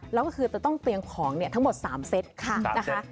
เราก็คือต้องเตรียมของทั้งหมด๓เซต